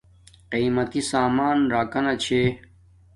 قیماتی سامان راکا چھے